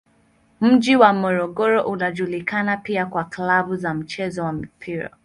Mji wa Morogoro unajulikana pia kwa klabu za mchezo wa mpira.